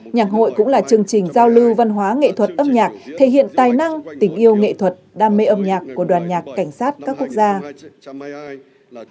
nhạc hội cũng là chương trình giao lưu văn hóa nghệ thuật âm nhạc thể hiện tài năng tình yêu nghệ thuật đam mê âm nhạc của đoàn nhạc cảnh sát các quốc gia